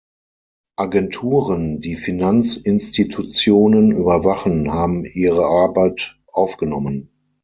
Agenturen, die Finanzinstitutionen überwachen, haben ihre Arbeit aufgenommen.